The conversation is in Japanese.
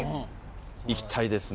行きたいですね。